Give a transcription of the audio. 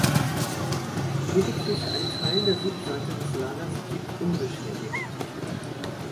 Lediglich ein Teil der Südseite des Lagers blieb unbeschädigt.